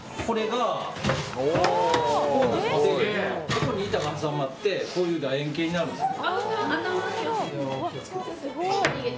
ここに板が挟まってこういう楕円形になるんですよ。